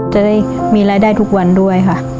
จะได้มีรายได้ทุกวันด้วยค่ะ